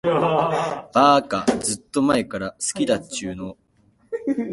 ばーか、ずーっと前から好きだっちゅーの。